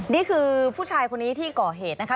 นี่คือผู้ชายคนนี้ที่ก่อเหตุนะคะ